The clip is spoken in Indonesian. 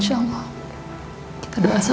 jangan lupa tabis footik